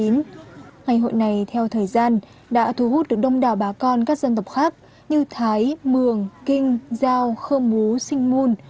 ngày hội này theo thời gian đã thu hút được đông đảo bà con các dân tộc khác như thái mường kinh giao khơ mú sinh mun